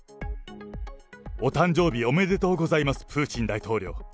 お誕生日おめでとうございます、プーチン大統領。